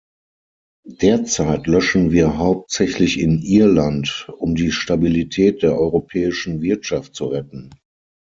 Derzeit löschen wir hauptsächlich in Irland, um die Stabilität der europäischen Wirtschaft zu retten.